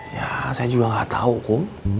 ya saya juga nggak tahu kok